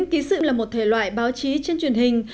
ký sự là một thể loại báo chí trên truyền hình